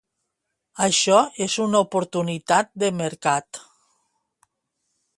Això és una oportunitat de mercat.